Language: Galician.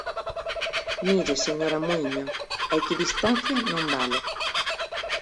Mire, señora Muíño, a equidistancia non vale.